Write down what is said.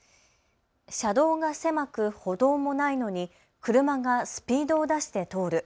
車道が狭く歩道もないのに車がスピードを出して通る。